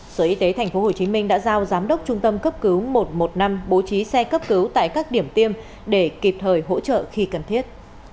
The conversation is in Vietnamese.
sở y tế tp hcm đã giao giám đốc trung tâm cấp cứu một trăm một mươi năm bố trí xe cấp cứu tại các điểm tiêm để kịp thời hỗ trợ khi cần thiết